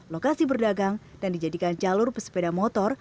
lokasi berdagang dan dijadikan jalur pesepeda motor